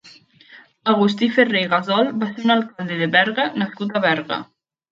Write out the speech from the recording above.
Agustí Ferrer i Gasol va ser un alcalde de Berga nascut a Berga.